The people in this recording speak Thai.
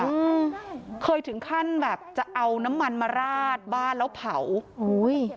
อืมเคยถึงขั้นแบบจะเอาน้ำมันมาราดบ้านแล้วเผาอุ้ย